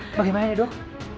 bagaimana ini dok